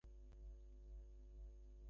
তাই তো, সাতো-সান?